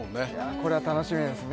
これは楽しみですね